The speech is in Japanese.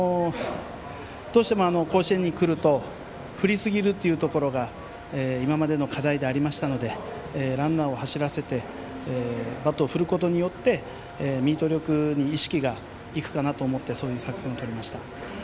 どうしても甲子園に来ると振りすぎるというところが今までの課題でありましたのでランナーを走らせてバットを振ることによってミート力に意識がいくかなと思ってそういう作戦をとりました。